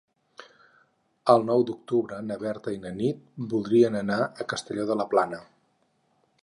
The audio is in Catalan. El nou d'octubre na Berta i na Nit voldrien anar a Castelló de la Plana.